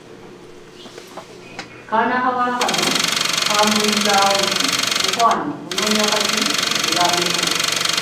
Kaanakawala kano kambuulizaawo nti, "Mukwano onoonya kaki nkuyambeko?"